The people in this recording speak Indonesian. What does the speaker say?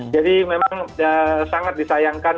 jadi memang sangat disayangkan